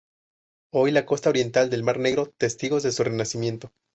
Hoy la costa oriental del Mar Negro testigos de su renacimiento.